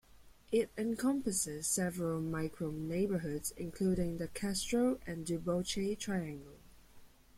It encompasses several micro neighborhoods including The Castro and Duboce Triangle.